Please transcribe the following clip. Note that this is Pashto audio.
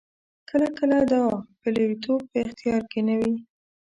کله کله دا پلویتوب په اختیار کې نه وي.